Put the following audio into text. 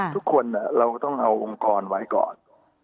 ทุกคนเราต้องเอาองค์กรไว้ก่อน